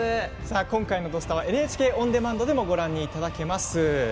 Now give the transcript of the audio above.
今回の「土スタ」はＮＨＫオンデマンドでもご覧いただけます。